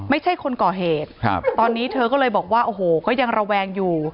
ไม่ใช่คนก่อเหตุครับตอนนี้เธอก็เลยบอกว่าโอ้โหก็ยังระแวงอยู่